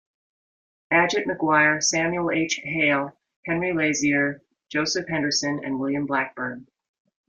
Adjet McGuire, Samuel H. Hale, Henry Lazier, Joseph Henderson, and William Blackburn.